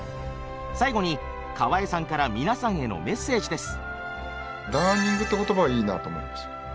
最後に河江さんから皆さんへのメッセージです。